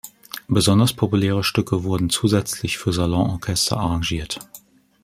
Besonders populäre Stücke wurden zusätzlich für Salonorchester arrangiert.